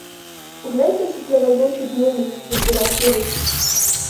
Oglejte si plavajoči dnevnik v široki reki.